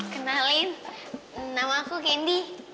kenalin namaku candy